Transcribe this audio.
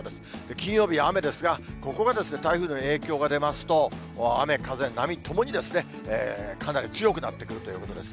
金曜日は雨ですが、ここまで台風の影響が出ますと、雨、風、波ともにかなり強くなってくるということです。